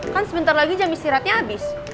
kan sebentar lagi jam istirahatnya habis